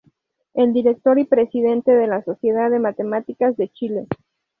Es director y presidente de la sociedad de matemáticas de Chile.